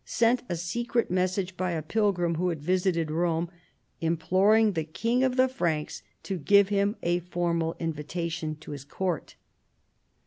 sent a secret message by a pilgrim who had visited Rome, imploring the King of the Franks to give him a formal invitation to his court.